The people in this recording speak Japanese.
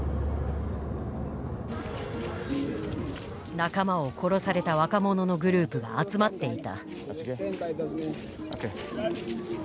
仲間を殺された若者のグループが集まっていた。